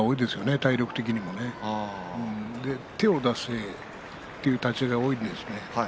体力的にも手を出す立ち合いが多いですね。